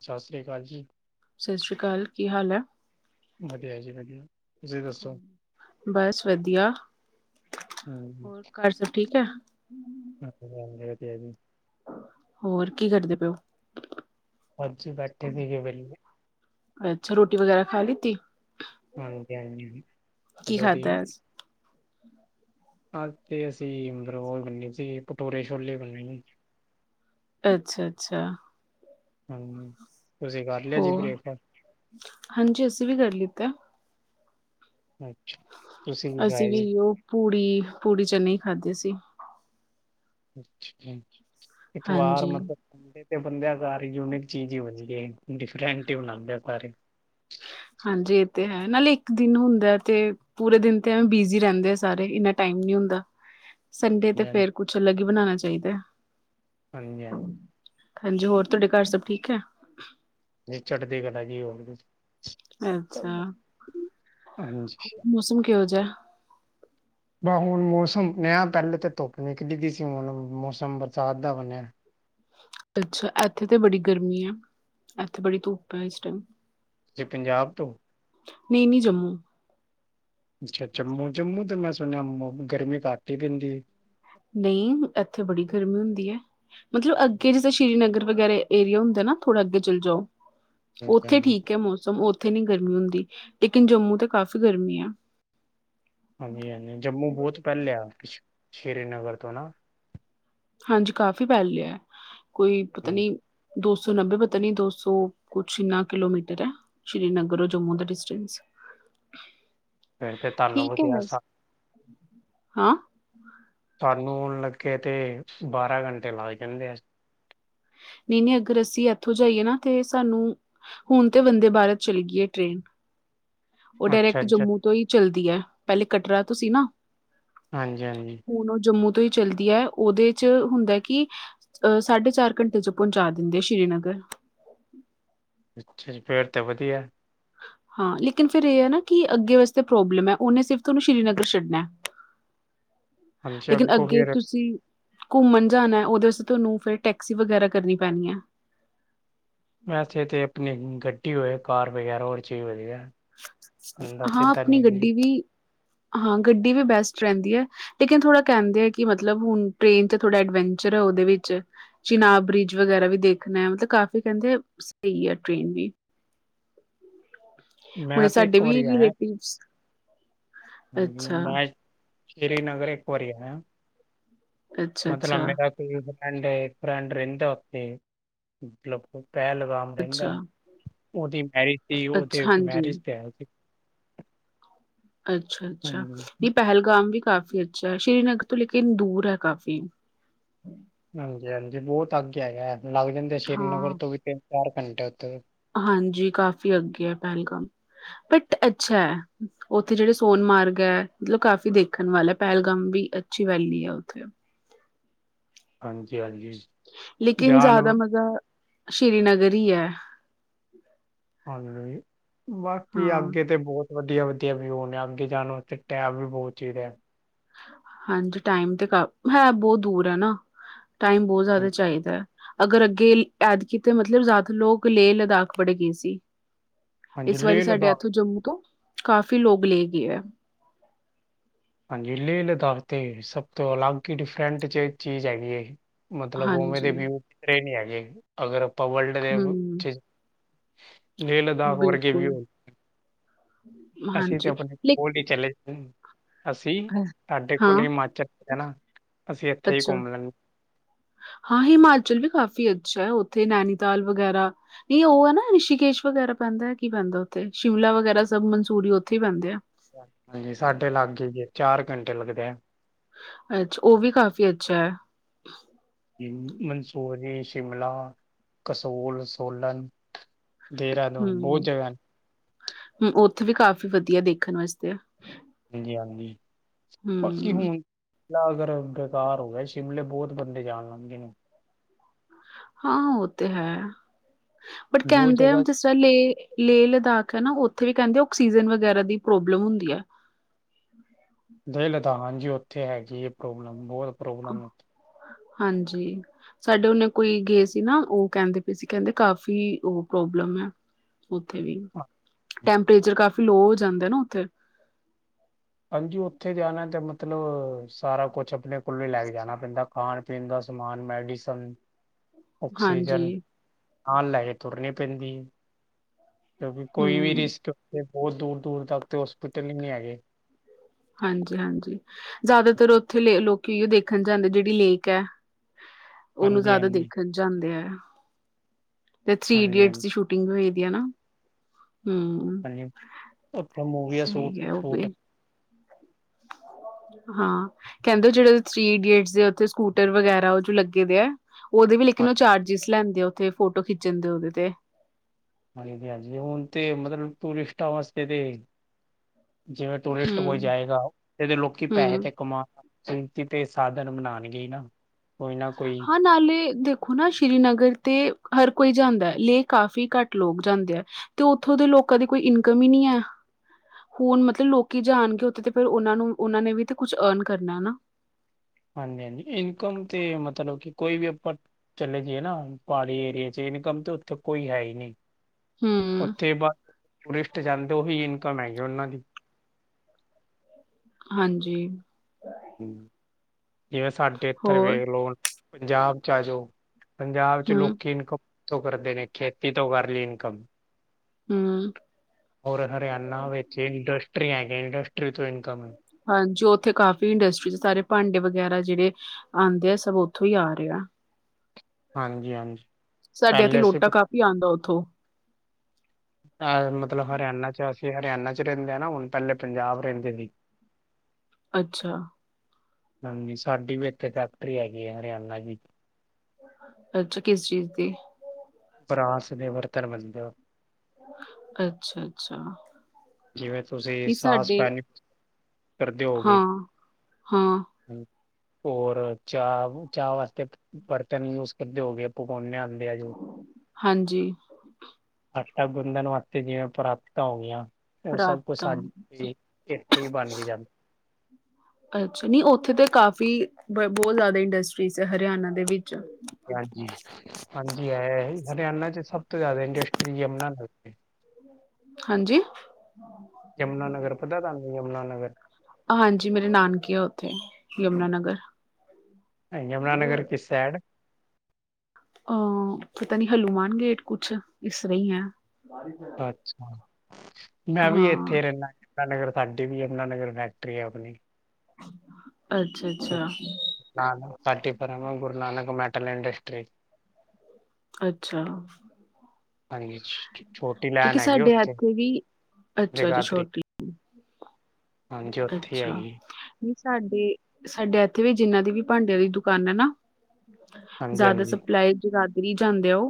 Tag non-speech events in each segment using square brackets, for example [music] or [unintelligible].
ਸਤਿ ਸ਼੍ਰੀ ਅਕਾਲ ਜੀ ਸਤਿ ਸ਼੍ਰੀ ਅਕਾਲ ਕੀ ਹਾਲ ਹੈ। ਵਧੀਆ ਜੀ ਵਧੀਆ ਤੁਸੀਂ ਦੱਸੋ? ਬਸ ਵਧੀਆ ਹੂੰ। ਹੋਰ ਘਰ ਸਭ ਠੀਕ ਹੈ। ਹੰਡ ਮਾੜੇ ਯ ਜੀ ਹੋਰ ਕੀ ਕਰਦੇ ਪਿਓ ਅੱਜ ਘਟੇ ਦੀ ਗ ਬਲ ਅੱਛਾ ਰੋਟੀ ਵਗੈਰਾ ਖਾ ਲ ਲਈ ਤ ਹਾਂਜੀ ਹਾਂਜੀ ਕੀ ਹੈਲੋ ਜੀ ਖਾਧਾ ਹੈ? ਹ ਤੇ ਅਸੀਂ ਮਰਬ ਉਹ ਬਣੇ ਸੀ ਭਟੋਰੇ ਛੋਲੇ ਬੰੇ ਨੇ ਅੱਛਾ ਅੱਛਾ ਹਮ ਤੁਸੀਂ ਕਰ ਲਿਆ ਜੀ ਹੋਰ ਬ੍ਰੇਕਫਾਸਟ ਹਾਂਜੀ ਅਸੀਂ ਵੀ ਕਰ ਲਿੱਤਾ ਅੱਛਾ ਤੁਸੀਂ ਕੀ ਅਸੀਂ ਖਾਇਆ ਵੀ ਜੀ? ਉਹ ਪੂੜੀ ਪੂੜੀ ਚਨੇ ਖਾਧੇ ਸੀ ਅੱਛਾ ਜੀ ਇੱਤਵਾਰ ਹਾਂਜੀ ਮਤਲਬ ਦੇ ਤੇ ਬੰਦਿਆਂਕਾਰ ਯੂਨਿਕ ਚੀਜ਼ ਹੀ ਵਣਦੀ ਡਿਫਰੈਂਟਉਣਾਦੇਪਾਰੇ ਹਾਂਜੀ ਇਹ ਤੇ ਹੈ ਨਾਲੇ ਇੱਕ ਦਿਨ ਹੁੰਦਾ ਤੇ ਪੂਰੇ ਦਿਨ ਤੇ ਐਵੇਂ ਬਿਜ਼ੀ ਰਹਿੰਦੇ ਆ ਸਾਰੇ ਇੰਨਾ ਟਾਈਮ ਨੀ ਹੁੰਦਾ ਸੰਡੇ ਤੇ ਫਿਰ ਕੁਛ ਅਲੱਗ ਹੀ ਬਣਾਉਣਾ ਚਾਹੀਦਾ ਹੈ ਹਾਂਜੀ -ਹਾਂਜੀ ਹਾਂਜੀ ਹੋਰ ਤੁਹਾਡੇ ਘਰ ਸਭ ਠੀਕ ਹੈ ਚੜਦੀ ਕਲਾ ਜੀ ਹੋਰ ਅੱਛਾ ਹਾਂਜੀ ਕਿਉਂ ਜ ਬ ਹੁਣ ਮੌਸਮ ਨਯਾ ਪਹਿਲੇ ਤਾਂ ਧੁੱਪ ਨਿਕਲੀ ਗੀ ਸੀ ਹੁਣ ਮੌਸਮ ਬਰਸਾਤ ਦਾ ਬਣਿਆ ਅੱਛਾ ਇੱਥੇ ਤਾਂ ਬੜੀ ਗਰਮੀ ਹੈ ਇੱਥੇ ਬੜੀ ਧੂੱਪ ਹੈ ਇਸ ਟਾਈਮ ਜ ਪੰਜਾਬ ਤੋਂ ਨਹੀਂ -ਨਹੀ ਜੰਮੂ ਅੱਛਾ ਜੰਮੂ -ਜੰਮੂ ਤੇ ਮੈਂ ਸੁਣਿਆ ਗਰਮੀ ਘਟ ਹੀ ਪੈਂਦੀਏ ਨਹੀਂ ਇੱਥੇ ਬੜੀ ਗਰਮੀ ਹੁੰਦੀ ਹੈ ਮਤਲਬ ਅੱਗੇ ਜਿੱਥੇ ਸ਼੍ਰੀਨਗਰ ਵਗੈਰਾ ਏਰੀਆ ਹੁੰਦਾ ਨਾ ਥੋੜਾ ਅੱਗੇ ਚਲੇ ਜਾਓ ਹਾਂਜੀ ਉੱਥੇ ਹਾਂਜੀ ਠੀਕ ਹੈ ਮੌਸਮ ਉੱਥੇ ਨਹੀਂ ਗਰਮੀ ਹੁੰਦੀ ਲੇਕਿਨ ਜੰਮੂ ਤੇ ਕਾਫ਼ੀ ਗਰਮੀ ਆ ਹਾਂਜੀ -ਹਾਂਜੀ ਜੰਮੂ ਬਹੁਤ ਪਹਿਲੇ ਆ ਸ਼੍ਰੀਨਗਰ ਤੋਂ ਨਾ ਹਾਂਜੀ ਕਾਫ਼ੀ ਪੈਲਿਹੇ ਕੋਈ ਪਤਾ ਹਮ, ਨੀ ਦੋ ਸੌ ਨੱਬੇ ਪਤਾ ਨੀ ਦੋ ਸੌ ਕੁਛ ਇੰਨਾ ਕਿਲੋਮੀਟਰ ਹੈ ਸ੍ਰੀਨਗਰ ਜੰਮੂ ਦਾ ਡਿਸਟੈਂਸ ਫਿਰ ਤੇ ਤੁਹਾਨੂੰ ਠੀਕ ਹੈ ਵਧੀਆ ਬਸ ਸਾ- ਹਾਂ ਸਾਨੂੰ ਲੱਗੇ ਨੇ ਬਾਰਾਂ ਘੰਟੇ ਲੱਗ ਜਾਂਦੇ ਆ ਨਹੀਂ -ਨਹੀਂ ਅਗਰ ਅਸੀਂ ਇੱਥੋਂ ਜਾਈਏ ਨਾ ਤੇ ਸਾਨੂੰ ਹੁਣ ਤੇ ਵੰਦੇ ਭਾਰਤ ਚਲੀ ਗਈ ਏ ਟ੍ਰੇਨ ਉਹ ਅੱਛਾ ਡਾਇਰੈਕਟ ਅੱਛਾ ਜੰਮੂ ਤੋਂ ਹੀ ਚੱਲਦੀ ਹੈ ਪਹਿਲੇ ਕਟਰਾ ਤੋਂ ਸੀ ਨਾ ਹਾਂਜੀ -ਹਾਂਜੀ ਹੁਣ ਉਹ ਜੰਮੂ ਤੋਂ ਹੀ ਚੱਲਦੀ ਹੈ ਉਹਦੇ ਚ ਹੁੰਦਾ ਕਿ ਅਹ ਸਾਢੇ ਚਾਰ ਘੰਟੇ ਚ ਪਹੁੰਚਾ ਦਿੰਦੇ ਸ਼੍ਰੀਨਗਰ ਅੱਛਾ ਫੇਰ ਤਾਂ ਵਧੀਆ ਹਾਂ ਲੇਕਿਨ ਫਿਰ ਇਹ ਹੈ ਨਾ ਕਿ ਅੱਗੇ ਵਾਸਤੇ ਪ੍ਰੋਬਲਮ ਹੈ ਉਹਨੇ ਸਿਰਫ ਤੁਹਾਨੂੰ ਸ਼੍ਰੀਨਗਰ ਛੱਡਣਾ ਹਾਂਜੀ ਲੇਕਿਨ ਅੱਗੋਂ ਅੱਗੇ ਫੇਰ ਤੁਸੀਂ ਘੁੰਮਣ ਜਾਣਾ ਉਹਦੇ ਵਾਸਤੇ ਤੁਹਾਨੂੰ ਫਿਰ ਟੈਕਸੀ ਵਗੈਰਾ ਕਰਨੀ ਪੈਣੀ ਹੈ ਵੈਸੇ ਤਾਂ ਆਪਣੀ ਗੱਡੀ ਹੋਏ ਕਾਰ ਵਗੈਰਾ ੳਦੇ ਚ ਵਧੀਆ ਬੰਦਾ ਹਾਂ ਸਿੱਧਾ ਆਪਣੀ ਨਿਕਲ ਜੇ। ਗੱਡੀ ਵੀ ਹਾਂ ਗੱਡੀ ਵੀ ਬੈਸਟ ਰਹਿੰਦੀ ਹੈ ਲੇਕਿਨ ਥੋੜਾ ਕਹਿੰਦੇ ਕਿ ਮਤਲਬ ਹੁਣ ਟ੍ਰੇਨ ਥੋੜਾ ਚ ਐਡਵੈਂਚਰ ਉਹਦੇ ਵਿੱਚ ਚਿਨਾਬ ਬ੍ਰਿਜ ਵਗੈਰਾ ਵੀ ਦੇਖਣਾ ਆ ਮਤਲਬ ਕਾਫੀ ਕਹਿੰਦੇ ਸਹੀ ਆ ਟੇ੍ਨ ਵੀ ਹੁਣੇ ਮੈਂ ਤੇ ਸਾਡੇ ਇੱਕ ਵੀ ਵਾਰੀਆਯਾ ਹੈ ਰਿਲੇਟਿਵ ਹਾਂਜੀ ਅੱਛਾ ਮੈਂ ਸ੍ਰੀਨਗਰ ਇੱਕ ਵਾਰੀ ਆਯਾ ਅੱਛਾ ਮਤਲਬ ਅੱਛਾ ਮੇਰਾ ਫਰੈਂਡ ਇੱਕ ਫਰੈਂਡ ਰਹਿੰਦਾ ੳਥੇ ਪਹਲ ਗਾਮ ਅੱਛਾ, ਰਹਿੰਦਾ ਉਹਦੀ ਮੈਰਿਜ ਸੀ ਉਹ ਤੇ ਅੱਛਾ ਹਾਂਜੀ, ਮੈਰਿਜ ਤੇ ਆਇਆ ਸੀ ਅੱਛਾ -ਅੱਛਾ ਨਹੀਂ ਹਾਂਜੀ ਪਹਿਲਗਾਮ ਵੀ ਕਾਫ਼ੀ ਅੱਛਾ ਹੈ ਸ਼੍ਰੀਨਗਰ ਤੋਂ ਲੇਕਿਨ ਦੂਰ ਹੈ ਕਾਫ਼ੀ ਹਾਂਜੀ -ਹਾਂਜੀ ਬਹੁਤ ਅੱਗੇ ਹੈਗਾ ਲੱਗ ਜਾਂਦੇ ਸ੍ਰੀਨਗਰ ਹਾਂ, ਤੋਂ ਵੀ ਤਿੰਨ ਚਾਰ ਘੰਟੇ ਉੱਥੇ ਹਾਂਜੀ ਕਾਫ਼ੀ ਅੱਗੇ ਹੈ ਪਹਿਲਗਾਮ ਬਟ ਅੱਛਾ ਹੈ। ਉੱਥੇ ਜਿਹੜੇ ਸੋਨਮਾਰਗ ਹੈ ਮਤਲਬ ਕਾਫ਼ੀ ਦੇਖਣ ਵਾਲ ਹੈ ਪਹਿਲਗਾਮ ਵੀ ਅੱਛੀ ਵੈਲੀ ਹੈ ਉੱਥੇ ਹਾਂਜੀ -ਹਾਂਜੀ ਲੇਕਿਨ ਜਾਣ ਜ਼ਿਆਦਾ ਮਜ਼ਾ ਸ਼੍ਰੀਨਗਰ ਹੀ ਹੈ ਹਾਂਜੀ ਬਾਕੀ ਹਾਂ, ਆਗੇ ਤੇ ਬੋ ਵਧੀਆ- ਵਧੀਆ ਵਿਊ ਨੇ ਅੱਗੇ ਜਾਣ ਵਾਤੇ ਟੈਮ ਵੀ ਬੋਤ ਚਾਹੀਦਾ ਏ। ਹਾਂਜੀ ਟਾਈਮ ਤੇ ਕਾ ਹੈ ਬੋ ਦੂਰ ਐ ਨਾ ਟਾਈਮ ਬੋਤ ਜਾਦੇ ਚਾਹੀਦਾ। ਅਗਰ ਅੱਗੇ ਐਤਕੀ ਤੇ ਮਤਲਬ ਜਿਦਾ ਲੋਕ ਲੇਹ ਲਦਾਖ ਬੜੇ ਗਏ ਸੀ। ਹਾਂਜੀ ਇਸ ਵਾਰੀ ਲੇਹ ਸਾਡੇ ਲਦਾਖ ਐਥੋਂ ਜੰਮੂ ਤੋਂ ਕਾਫ਼ੀ ਲੋਕ ਲੇ ਗਏ ਐ। ਹਾਂਜੀ ਲੇਹ ਲਦਾਖ ਤੇ ਸਭ ਤੋਂ ਅਲੱਗ ਈ ਡਿਫਰੈਂਟ 'ਚ ਚੀਜ਼ ਹੈਗੀ ਏ। ਮਤਲਬ ਓਵੇਂ ਦੇ ਹਾਂਜੀ ਵਿਊ ਕਿੱਧਰੇ ਨੀ ਹੈਗੇ ਅਗਰ ਵਰਲਡ ਦੇ ਹੂੰ [unintelligible] ਲੇਹ ਲਦਾਖ ਵਰਗੇ ਬਿਲਕੁਲ ਵਿਊ ਅਸੀਂ ਤੇ ਹਾਂਜੀ ਲੇ ਆਪਣੇ [unintelligible] ਚਲੇ [unintelligible] ਅਸੀਂ ਸਾਡੇ ਹਾਂ ਕੋਲ ਹਿਮਾਚਲ ਐ ਨਾ ਅਸੀ ਐਥੇ ਈ ਅੱਛਾ ਘੁੰਮ ਲੈਂ ਹਾਂ ਹਿਮਾਚਲ ਵੀ ਕਾਫ਼ੀ ਅੱਛਾ ਐ ਓਥੇ ਨੈਨੀਤਾਲ ਵਗੈਰਾ ਨਹੀਂ ਓ ਐਨਾ ਰਿਸ਼ੀਕੇਸ਼ ਵਗੈਰਾ ਪੈਂਦਾ ਕੀ ਪੈਂਦਾ ਉੱਥੇ ਸ਼ਿਮਲਾ ਵਗੈਰਾ ਸਭ ਮਨਸੂਰੀ ਓਥੇ ਈ ਪੈਂਦੇ ਐ। ਹਾਂਜੀ ਸਾਡੇ ਲਾਗੇ ਜੇ ਚਾਰ ਘੰਟੇ ਲੱਗਦੇ ਆ। ਅੱਛਾ ਓ ਵੀ ਕਾਫੀ ਅੱਛਾ ਐ। ਮੰਨਸੂਰੀ, ਸ਼ਿਮਲਾ, ਕਸੋਲ, ਸੋਲਨ ਦੇਹਰਾਦੂਨ ਬੋਤ ਹੂੰ ਜਗਾ ਹੂੰ ਓਥੇ ਵੀ ਕਾਫ਼ੀ ਵਧੀਆ ਦੇਖਣ ਵਾਸਤੇ ਹਾਂਜੀ-ਹਾਂਜੀ ਬਾਕੀ ਹੂੰ ਹੁਣ ਲਾ ਗਰ ਬੇਕਾਰ ਹੋ ਗਿਆ ਸ਼ਿਮਲੇ ਬੋਤ ਬੰਦੇ ਜਾਣ ਲਾਗੇ ਨੇ। ਹਾਂ ਓ ਤੇ ਹੈ ਬਟ ਜੋ ਕਹਿੰਦੇ ਆ ਜਗ੍ਹਾ ਹੁਣ ਤੁ ਲੇਹ- ਲੇਹ ਲਦਾਖ ਐ ਨਾ ਓਥੇ ਵੀ ਕਹਿੰਦੇ ਆਕਸੀਜਨ ਵਗੈਰਾ ਦੀ ਪ੍ਰੋਬਲਮ ਹੁੰਦੀ ਐ। ਲੇਹ ਲਦਾਖ ਹਾਂਜੀ ਜੀ ਓਥੇ ਹੈਗੀ ਏ ਪ੍ਰੋਬਲਮ ਬੋਤ ਪ੍ਰੋਬਲਮ ਹਾਂਜੀ ਸਾਡੇ ਓਨੇ ਕੋਈ ਗਏ ਸੀ ਨਾ ਓ ਕਹਿੰਦੇ ਪੇ ਸੀ ਕਹਿੰਦੇ ਕਾਫੀ ਓ ਪ੍ਰੋਬਲਮ ਐ। ਉੱਥੇ ਵੀ ਟੈਂਪਰੇਚਰ ਕਾਫ਼ੀ ਲੋਅ ਹੋ ਜਾਂਦੈ ਨਾ ਓਥੇ ਹਾਂਜੀ ਓਥੇ ਜਾਣਾ ਤੇ ਮਤਲਬ ਸਾਰਾ ਕੁੱਛ ਅਪਣੇ ਕੋਲੋਂ ਹੀ ਲੈ ਕੇ ਜਾਣਾ ਪੈਂਦਾ ਖਾਣ ਪੀਣ ਦਾ ਸਮਾਨ ਮੈਡੀਸਨ, ਹਾਂਜੀ ਆਕਸੀਜਨ ਨਾਲ ਲੈ ਕੇ ਤੁਰਨੀ ਪੈਂਦੀ ਏ ਕਿਉਂਕਿ ਕੋਈ ਵੀ ਹੂੰ ਰਿਸਕ ਤੇ ਬੋਤ ਦੂਰ-ਦੂਰ ਤੱਕ ਤੇ ਹੋਸਪਿਟਲ ਈ ਨੀ ਹੈਗੇ। ਹਾਂਜੀ-ਹਾਂਜੀ ਜਿਆਦਾਤਰ ਓਥੇ ਲੇ ਲੋਕ ਦੇਖਣ ਜਾਂਦੇ ਜਿਹੜੀ ਲੇਕ ਐ। ਓਨੂੰ ਹਾਂਜੀ ਜਿਆਦਾ ਹਾਂਜੀ ਦੇਖਣ ਜਾਂਦੇ ਐ ਤੇ ਥ੍ਰਰੀ ਹਾਂਜੀ ਈਡੀਅਟਸ ਹਾਂਜੀ ਦੀ ਸ਼ੂ ਟਿੰਗ ਹੋਈ ਦੀਆ ਨਾ ਹੂੰ। ਹਾਂਜੀ ਓਥੇ ਮੂਵੀਆ ਸਹੀ ਹੈ ਉਹ ਵੀ ਸ਼ੂਟ-ਸ਼ੂਟ ਹਾਂ ਕਹਿੰਦੇ ਜਿਹੜੇ ਥ੍ਰਰੀ ਇਡੀਅਟਸ ਦੇ ਉਥੇ ਸਕੂਟਰ ਵਗੈਰਾ ਓ ਜੋ ਲੱਗੇ ਦੇ ਐ। ਉਦੇ ਵੀ ਲੇਕਿਨ ਓ ਚਾਰਜਿਸ ਲੈਂਦੇ ਉਥੇ ਫੋਟੋ ਖਿੱਚਣ ਦੇ ਓਦੇ ਤੇ ਹਾਂਜੀ-ਹਾਂਜੀ ਹੁਣ ਤੇ ਮਤਲਬ ਟੂਰਿਸਟਾਂ ਵਾਸਤੇ ਤੇ ਜਿਵੇਂ ਟੂਰਿਸਟ ਹੂੰ ਕੋਈ ਜਾਏਗਾ ਤੇ ਦੇ ਲੋਕੀ ਹੂੰ ਪੈਸੇ ਤੇ ਕਮਾ ਕਿਤੇ ਸਾਧਨ ਮਨਾਣਗੇ ਈ ਨਾ ਕੋਈ ਨਾ ਕੋਈ ਹਾਂ ਨਾਲੇ ਦੇ ਓ ਨਾ ਸ਼੍ਰੀਨਗਰ ਤੇ ਹਰ ਕੋਈ ਜਾਂਦੈ ਲੇਹ ਕਾਫ਼ੀ ਘੱਟ ਲੋਕ ਜਾਂਦੇ ਐ। ਤੇ ਓਥੋਂ ਦੇ ਲੋਕਾਂ ਦੀ ਕੋਈ ਇਨਕਮ ਈ ਨੀ ਐ। ਹੁਣ ਮਤਲਬ ਲੋਕੀ ਜਾਣਗੇ ਉੱਥੇ ਤੇ ਫਿਰ ਓਨਾਂ ਨੂੰ ਉਨਾਂ ਨੇ ਵੀ ਤੇ ਕੁੱਛ ਅਰਨ ਕਰਨੈ ਨਾ। ਹਾਂਜੀ-ਹਾਂਜੀ ਇਨਕਮ ਤੇ ਮਤਲਬ ਕਿ ਕੋਈ ਵੀ ਆਪਾਂ ਚਲੇੇ ਜੀਏ ਨਾ ਪਾੜੀ ਏਰੀਏ 'ਚ ਇਨਕਮ ਤਾਂ ਉੱਥੇ ਕੋਈ ਹੈ ਹੀ ਨੀ। ਹਮ ਉੱਥੇ ਬਸ ਟੂਰਿਸਟ ਜਾਂਦੇ ਓਹੀ ਇਨਕਮ ਹੈਗੀ ਓਨਾਂ ਦੀ। ਹਾਂਜੀ ਹੂੰ ਜਿਵੇਂ ਸਾਡੇ ਏਥੇ ਹੋਰ ਵੇਖ ਲੋ ਪੰਜਾਬ ਚ ਆ ਜੋ। ਪੰਜਾਬ ਚ ਹਮ ਲੋਕੀ ਇਨਕਮ ਕਿੱਥੋਂ ਕਰਦੇ ਨੇ ਖੇਤੀ ਤੋਂ ਕਰਲੀ ਇਨਕਮ। ਹੂੰ। ਹੋਰ ਹਰਿਆਣਾ ਵਿੱਚ ਇੰਡਸਟਰੀ ਹੈਗੀ ਇੰਡਸਟਰੀ ਤੋਂ ਇਨਕਮ। ਹੈ ਹਾਂਜੀ ਉੱਥੇ ਕਾਫੀ ਇੰਡਸਟਰੀਜ਼ ਸਾਰੇ ਭਾਂਡੇ ਵਗੈਰਾ ਜਿਹੜੇ ਆਉਂਦੇ ਆ ਸਭ ਉੱਥੋਂ ਹੀ ਆ ਰਿਹਾ ਹਾਂਜੀ ਹਾਂਜੀ ਸਾਡੇ ਇਥੇ ਪਹਿਲੇ ਸੀ ਲੋਟਾ ਕਾਫ਼ ਆਉਂਦਾ ਉੱਥੋਂ ਮਤਲਬ ਹਰਿਆਣਾ ਚ ਅਸੀਂ ਹਰਿਆਣਾ ਚ ਰਹਿੰਦੇ ਹੁਣ ਤਾਂ ਪਹਿਲੇ ਪੰਜਾਬ ਰਹਿੰਦੇ ਸੀ। ਅੱਛਾ ਹਾਂਜੀ ਸਾਡੀ ਵੀ ਇੱਥੇ ਫੈਕਟਰੀ ਹੈਗੀ ਹੈ ਹਰਿਆਣਾ ਦੀ ਅੱਛਾ ਕਿਸ ਚੀਜ਼ ਦੀ ਫਰਾਂਸ ਦੇ ਵਰਕਰ ਬਣ ਜਾਓ [unintelligible] ਅੱਛਾ ਅੱਛਾ ਜਿਵੇਂ ਤੁਸੀਂ ਨਹੀਂ ਸਾਸ ਸਾਡੇ ਪੇ [unintelligible] ਕਰਦੇ ਹੋਗੇ ਹਾਂ ਹਾਂ ਹ ਹੋਰ ਚਾਹ ਚਾਹ ਵਾਸਤੇ ਬਰਤਨ ਯੂਜ ਕਰਦੇ ਹੋਗੇ ਪਕੌਨੇ ਆਉਂਦੇ ਆ ਜੋ ਹਾਂਜੀ। ਆਟਾ ਗੁੰਦਣ ਵਾਸਤੇ ਜਿਵੇਂ ਪ੍ਰਾਤਾ ਹੋ ਗਈਆਂ ਉਹ ਸਭ ਕੁਛ ਪਰਾਤਾਂ ਸਾਡੇ ਇਥੋ ਹੀ ਬਣ ਕੇ ਜਾਂਦਾ ਅੱਛਾ ਨੀ ਉੱਥੇ ਤੇ ਕਾਫੀ ਬ ਬਹੁਤ ਜ਼ਿਆਦਾ ਇੰਡਸਟਰੀਜ਼ ਹੈ ਹਰਿਆਣਾ ਦੇ ਵਿੱਚ ਹਾਂਜੀ ਹਾਂਜੀ ਹੈ ਹਰਿਆਣਾ ਚ ਸਭ ਤੋਂ ਜ਼ਿਆਦਾ ਇੰਡਸਟਰੀ ਹੈ ਜਮਨਾ ਹਾਂਜੀ? ਹਾਂ [inaudible] ਯਮੁਨਾਨਗਰ ਪਤਾ ਤੁਹਾਨੂੰ ਯਮੁਨਾਨਗਰ ਹਾਂਜੀ ਮੇਰੇ ਨਾਨਕੇ ਆ ਉੱਥੇ ਯਮੁਨਾ ਨਗਰ ਯਮੁਨਾਨਗਰ ਕਿਸ ਸਾਈਡ ਅਹ ਪਤਾ ਨੀ ਹਲੂਮਾਨ ਗੇਟ ਕੁਛ ਇਸ ਤਰ੍ਹਾਂ ਹੀ ਹੈ ਅੱਛਾ ਮੈਂ ਵੀ ਹਾਂ ਇੱਥੇ ਰਹਿੰਦਾ ਯਮਨਾ ਨਗਰ ਸਾਡੀ ਵੀ ਯਮਨਾ ਨਗਰ ਫੈਕਟਰੀ ਹੈ ਆਪਣੀ [unintelligible] ਅੱਛਾ ਅੱਛਾ। ਨਾਨ ਪਟੀਪਰਾਮ ਗੁਰੂ ਨਾਨਕ ਮੈਟਲ ਇੰਸਟਰੀ [unintelligible] ਅੱਛਾ ਹਾਂਜੀ। ਛੋਟੀ ਲੈਨ ਕਿਉਂਕਿ ਹੈਗੀ ਸਾਡੇ ਉੱਥੇ ਇੱਥੇ ਵੀ ਅੱਛਾ ਅੱਛਾ ਜਗਾਦਰੀ ਛੋਟੀ ਹਾਂਜੀ ਉੱਥੇ ਹੀ ਅੱਛਾ ਹੈਗੀ ਵੀ ਸਾਡੇ ਸਾਡੇ ਇੱਥੇ ਵੀ ਜਿੰਨਾਂ ਦੀ ਵੀ ਭਾਂਡਿਆਂ ਦੀ ਦੁਕਾਨ ਹੈ ਨਾ ਹਾਂਜੀ ਜ਼ਿਆਦਾ ਹਾਂਜੀ ਸਪਲਾਈ ਜਗਾਦਰੀ ਜਾਂਦੇ ਉਹ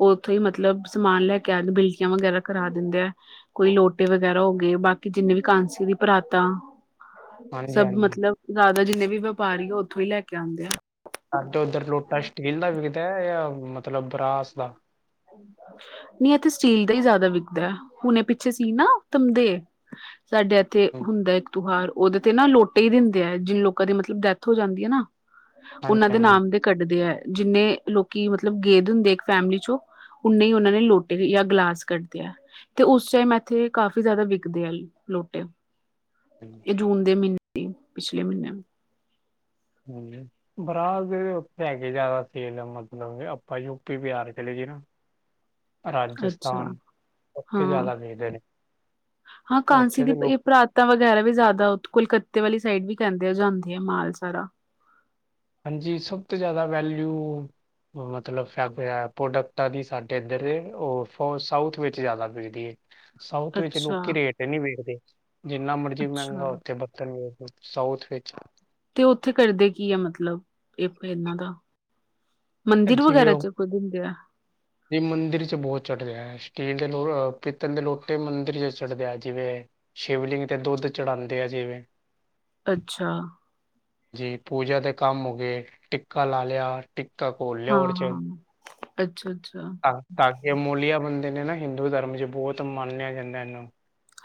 ਉਹ ਉੱਥੇ ਹੀ ਮਤਲਬ ਸਮਾਨ ਲੈ ਕੇ ਆ ਬਿਲਟੀਆਂ ਵਗੈਰਾ ਕਰਾ ਦਿੰਦੇ ਆ ਕੋਈ ਲੋਟੇ ਵਗੈਰਾ ਹੋ ਗਏ ਬਾਕੀ ਜਿੰਨੇ ਵੀ ਕਾਂਸੀ ਦੀ ਪਰਾਤਾਂ ਹਾਂਜੀ ਸਭ ਹਾਂਜੀ ਮਤਲਬ ਜ਼ਿਆਦਾ ਜਿੰਨੇ ਵੀ ਵਪਾਰੀ ਆ ਉੱਥੋਂ ਹੀ ਲੈ ਕੇ ਆਉਂਦੇ ਆ ਸਾਡੇ ਉੱਧਰ ਲੋਟਾ ਸਟੀਲ ਦਾ ਵਿਕਦਾ ਜਾਂ ਮਤਲਬ ਬਰਾਸ ਦਾ ਨਹੀਂ ਇੱਥੇ ਸਟੀਲ ਦਾ ਹੀ ਜ਼ਿਆਦਾ ਵਿਕਦਾ ਹੁਣੇ ਪਿੱਛੇ ਸੀ ਨਾ ਸਾਡੇ ਇਥ [unintelligible] ਹਮ, ਹੁੰਦਾ ਇੱਕ ਤਿਉਹਾਰ ਉਹਦੇ ਤੇ ਨਾ ਲੋਟੇ ਹੀ ਦਿੰਦੇ ਆ ਜਿਨ ਲੋਕਾਂ ਦੀ ਮਤਲਬ ਡੈਥ ਹੋ ਜਾਂਦੀ ਹੈ ਨਾ ਹਾਂਜੀ ਉਹਨਾ ਦੇ ਹਾਂਜੀ ਨਾਮ ਦੇ ਕੱਢਦੇ ਹੈ ਜਿੰਨੇ ਲੋਕੀ ਮਤਲਬ ਗਏ ਦੇ ਹੁੰਦੇ ਇੱਕ ਫੈਮਿਲੀ ਚੋਂ ਉਹਨੇ ਹੀ ਉਹਨਾਂ ਨੇ ਲੋਟੇ ਜਾਂ ਗਲਾਸ ਕੱਢਦੇ ਆ ਤੇ ਉਸ ਟਾਈਮ ਇੱਥੇ ਕਾਫੀ ਜ਼ਿਆਦਾ ਵਿਕਦੇ ਆ ਲੋਟੇ ਹਮ ਇਹ ਜੂਨ ਦੇ ਮਹੀਨੇ ਸੀ ਪਿਛਲੇ ਮਹੀਨੇ ਹਮ ਬਰਾਤ ਦੇ ਉੱਥੇ ਹੈਗੇ ਜ਼ਿਆਦਾ ਤੇਲ ਦਾ ਮਤਲਬ ਆਪਾਂ ਯੂਪੀ ਬਿਹਾਰ ਚਲੇ ਜੀ ਨਾ [unintelligible] ਅੱਛਾ ਰਾਜਸਥਾਨ ਉੱਥੇ ਹਾਂ। ਜ਼ਿਆਦਾ ਮਿਲਦੇ ਨੇ ਹਾਂ ਕਾਂਸੀ ਉੱਥੇ ਦੀ ਦੇ ਲੋਕ ਪਈ ਪਰ ਵਗੈਰਾ ਵੀ ਜ਼ਿਆਦਾ ਕੁਲਕੱਤੇ ਵਾਲੀ ਸਾਈਡ ਵੀ ਕਹਿੰਦੇ ਆ ਜਾਂਦੇ ਹੈ ਮਾਲ ਸਾਰਾ ਹਾਂਜੀ ਸਭ ਤੋਂ ਜ਼ਿਆਦਾ ਵੈਲਿਊ ਮਤਲਬ ਫ ਪ੍ਰੋਡਕਟਾਂ ਦੀ ਸਾਡੇ ਇੱਧਰ ਉਹ ਸਾਊਥ ਵਿੱਚ ਜ਼ਿਆਦਾ ਵਿਕਦੀ ਏ ਸਾਊਥ ਵਿੱਚ ਅੱਛਾ, ਲੋਕੀ ਰੇਟ ਨੀ ਵੇਖਦੇ ਜਿੰਨਾ ਮਰਜ਼ੀ ਅੱਛਾ ਮਹਿੰਗਾ ਉੱਥੇ ਬਰਤਨ ਵੇਖ ਸਾਊਥ ਵਿੱਚ ਹੈ। ਤੇ ਉੱਥੇ ਕਰਦੇ ਕੀ ਆ ਮਤਲਬ ਇਹਨਾਂ ਦਾ ਮੰਦਿਰ ਵਗੈਰਾ ਚ ਕੁਝ ਹੁੰਦੇ ਆ ਨਹੀਂ ਮੰਦਿਰ ਚ ਬਹੁਤ ਚੜ੍ਹ ਰਿਹਾ ਸਟੀਲ ਦੇ ਲੋ ਪੀਤਨ ਦੇ ਲੋਟੇ ਮੰਦਿਰ ਚ ਚੜਦੇ ਹੈ ਜਿਵੇਂ ਸ਼ਿਵਲਿੰਗ ਤੇ ਦੁੱਧ ਚੜਉਂਦੇ ਆ ਜਿਵੇਂ ਅੱਛਾ ਜੀ ਪੂਜਾ ਦੇ ਕੰਮ ਹੋ ਗਏ ਟਿੱਕਾ ਲਾ ਲਿਆ ਟਿਕ ਹਾਂ ਹਾਂ ਅੱਛਾ ਅੱਛਾ ਤਾਂ ਤਾਂ ਕਿ ਅਮੋਲੀਆ ਬੰਦੇ ਨੇ ਨਾ ਹਿੰਦੂ ਧਰਮ ਚ ਬਹੁਤ ਮੰਨਿਆ ਜਾਂਦਾ ਇਹਨੂੰ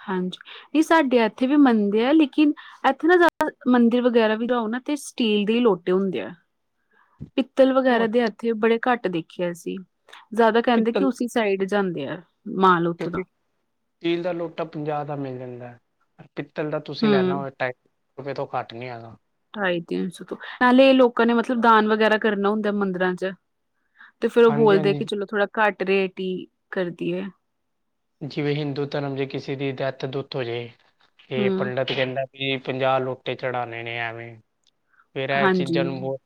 ਹਾਂਜੀ ਨਹੀਂ ਸਾਡੇ ਇੱਥੇ ਵੀ ਮੰਨਦੇ ਆ ਲੇਕਿਨ ਇੱਥੇ ਨਾ ਜ਼ਿਆਦਾ ਮੰਦਿਰ ਵਗੈਰਾ ਵੀ ਰਓ ਨਾ ਤੇ ਸਟੀਲ ਦੇ ਲੋਟੇ ਹੁੰਦੇ ਆ ਪਿੱਤਲ ਵਗੈਰਾ ਦੇ ਏਥੇ ਬੜੇ ਘੱਟ ਦੇਖਿਆ ਸੀ ਜ਼ਿਆਦਾ ਕਹਿੰਦੇ ਕਿ ਪਿੱਤਲ ਉਸ ਸਾਈਡ ਜਾਂਦੇ ਆ ਮਾਲ ਉੱਥੋਂ ਦਾ ਕਿਉਂਕਿ ਸਟੀਲ ਦਾ ਲੋਟਾ ਪੰਜਾਹ ਦਾ ਮਿਲ ਜਾਂਦਾ ਪਿੱਤਲ ਦਾ ਤੁਸੀਂ ਲੈਣਾ ਹੂੰ, ਹੋਵੇ ਢਾਈ ਰੁਪਏ ਤੋਂ ਘੱਟ ਨਹੀਂ ਹੈਗਾ ਢਾਈ ਤਿੰਨ ਸੌ ਤੋਂ ਪਹਿਲੇ ਲੋਕਾਂ ਨੇ ਮਤਲਬ ਦਾਨ ਵਗੈਰਾ ਕਰਨਾ ਹੁੰਦਾ ਮੰਦਿਰਾਂ ਚ ਤੇ ਫੇਰ ਉਹ ਹਾਂਜੀ ਬੋਲਦੇ ਹਾਂਜੀ ਕਿ ਚਲੋ ਥੋੜਾ ਘੱਟ ਰੇਟ ਹੀ ਕਰਦੀ ਹੈ। ਜਿਵੇਂ ਹਿੰਦੂ ਧਰਮ ਜੇ ਕਿਸੇ ਦੀ ਦੇਥ ਦੁੱਥ ਹੋ ਜਏ ਇਹ ਹੂੰ, ਪੰਡਿਤ ਕਹਿੰਦਾ ਵੀ ਪੰਜਾਹ ਲੋਟੇ ਚੜਾਉਂਣੇ ਨੇ ਐਵੇਂ ਫਿਰ ਇਹ ਹਾਂਜੀ। ਚੀਜ਼ਾਂ ਨੂੰ ਬਹੁਤ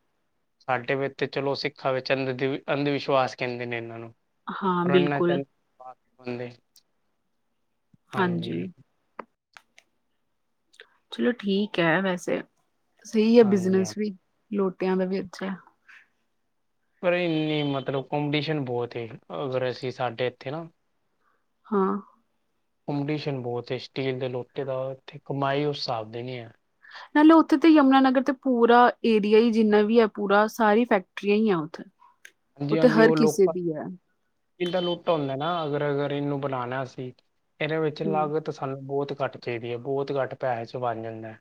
ਸਾਡੇ ਵਿੱਚ ਚਲੋ ਸਿੱਖਾਂ ਵਿੱਚ ਅੰਧ ਅੰਧ ਵਿਸ਼ਵਾਸ ਕਹਿੰਦੇ ਨੇ ਇਹਨਾਂ ਨੂੰ ਹਾਂ, ਬਿਲਕੁਲ [unintelligible] ਹਾਂਜੀ ਚਲੋ ਠੀਕ ਹੈ ਵੈਸੇ ਸਹੀ ਹੈ, ਹਾਂਜੀ ਹਾਂਜੀ ਬਿਜਨਸ ਵੀ ਲੋਟਿਆਂ ਦਾ ਵੀ ਅੱਛਾ ਪਰ ਇੰਨੀ ਮਤਲਬ ਕੰਪੀਟੀਸ਼ਨ ਬਹੁਤ ਅਗਰ ਅਸੀਂ ਸਾਡੇ ਇੱਥੇ ਨਾ ਹਾਂ ਕੰਪਟੀਸ਼ਨ ਬਹੁਤ ਸਟੀਲ ਦੇ ਲੋਟੇ ਦਾ ਤੇ ਕਮਾਈ ਉਸ ਹਿਸਾਬ ਦੇ ਨਹੀਂ ਨਾਲ ਉੱਥੇ ਯਮੁਨਾਨਗਰ ਤੇ ਪੂਰਾ ਏਰੀਆ ਹੀ ਜਿੰਨਾ ਵੀ ਹੈ ਪੂਰਾ ਸਾਰੀ ਫੈਕਟਰੀਆਂ ਹੀ ਹੈ ਉੱਥੇ ਉਹਥੇ ਹਰ ਕਿਸੇ ਦੀ ਹੈ। ਇਹਦਾ ਲੁੱਟ ਹੁੰਦਾ ਨਾ ਅਗਰ ਅਗਰ ਇਹਨੂੰ ਬਣਾਉਣਾ ਅਸੀਂ ਇਹਦੇ ਵਿੱਚ ਹੂੰ, ਲੱਗ ਤਾਂ ਸਾਨੂੰ ਬਹੁਤ ਘੱਟ ਚਾਹੀਦੀ ਹੈ ਬਹੁਤ ਘੱਟ ਪੈਸੇ ਚ ਬਣ ਜਾਂਦਾ ਹੈ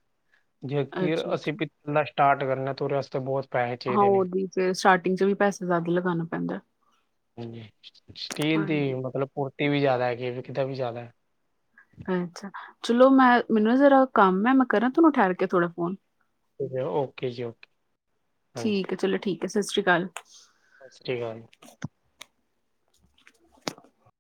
ਜੇਕਰ ਅਸੀਂ ਅੱਛਾ-ਅੱਛਾ। ਸਟਾਰਟ ਕਰਨਾ ਥੋੜਾ ਬਹੁਤ ਪੈਸੇ ਹਾਂ ਚਾਹੀਦੇ ਨੇ ਉਹਦੀ ਫਿਰ ਸਟਾਰਟਿੰਗ ਚ ਵੀ ਪੈਸਾ ਜ਼ਿਆਦਾ ਲਗਾਉਣਾ ਪੈਂਦਾ ਹਾਂਜੀ ਸਟੀਲ ਦੀ ਹਾਂਜੀ। ਮਤਲਬ ਪੁਰਤੀ ਵੀ ਜ਼ਿਆਦਾ ਹੈਗੀ ਵੀ ਕਿੱਦਾਂ ਵੀ ਜ਼ਿਆਦਾ ਅ ਅਛਾ ਚਲੋ ਮੈਂ ਮੈਨੂੰ ਨਾ ਜਰਾ ਕੰਮ ਹੈ ਮੈਂ ਕਰਾਂ ਤੁਹਾਨੂੰ ਠਹਿਰ ਕੇ ਥੋੜਾ ਫੋਨ ਓਕੇ ਜੀ ਓਕੇ ਹਾਂਜੀ ਠੀਕ ਹੈ ਚਲੋ ਠੀਕ ਹੈ ਸਤਿ ਸ੍ਰੀ ਅਕਾਲ ਸਤਿ ਸ਼੍ਰੀ ਅਕਾਲ